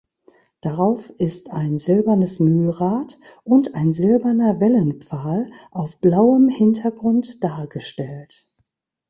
Darauf ist ein silbernes Mühlrad und ein silberner Wellenpfahl auf blauem Hintergrund dargestellt.